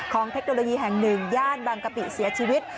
เทคโนโลยีแห่งหนึ่งย่านบางกะปิเสียชีวิต